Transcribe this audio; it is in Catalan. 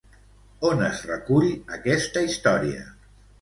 On es recull aquesta història?